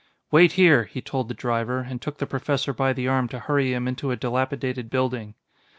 "Wait here," he told the driver and took the Professor by the arm to hurry him into a dilapidated building.